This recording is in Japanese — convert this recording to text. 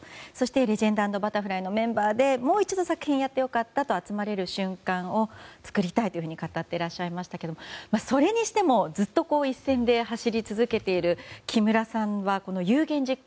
「レジェンド＆バタフライ」のメンバーでもう一度、作品をやって良かったと集まれる瞬間を作りたいと語っていらっしゃいましたけどそれにしてもずっと一線で走り続けている木村さんは夢言実行。